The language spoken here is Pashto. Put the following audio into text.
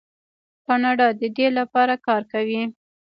کاناډا د دې لپاره کار کوي.